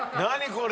これ。